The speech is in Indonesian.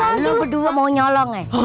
wah lu berdua mau nyolong ya